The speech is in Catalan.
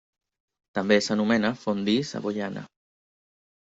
També s'anomena fondue savoiana.